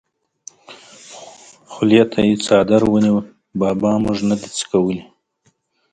خولې ته یې څادر ونیو: بابا مونږ نه دي څکولي!